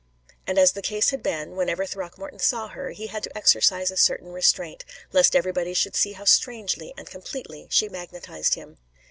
And as the case had been, whenever Throckmorton saw her, he had to exercise a certain restraint, lest everybody should see how strangely and completely she magnetized him.